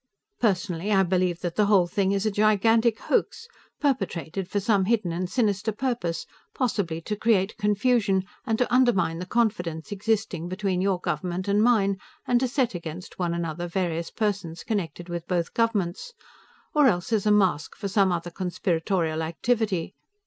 Personally, I believe that the whole thing is a gigantic hoax, perpetrated for some hidden and sinister purpose, possibly to create confusion, and to undermine the confidence existing between your government and mine, and to set against one another various persons connected with both governments, or else as a mask for some other conspiratorial activity.